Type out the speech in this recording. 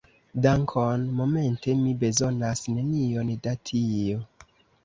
Dankon, momente mi bezonas nenion da tio.